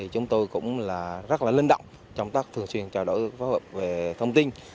chúng tôi cũng rất là linh động trong các thường xuyên trò đổi phối hợp về thông tin